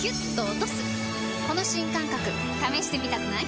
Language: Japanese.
この新感覚試してみたくない？